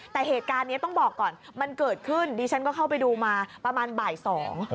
แต่เหตุการณ์เนี้ยต้องบอกก่อนมันเกิดขึ้นดิฉันก็เข้าไปดูมาประมาณบ่ายสอง